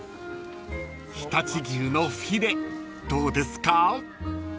［常陸牛のフィレどうですか？］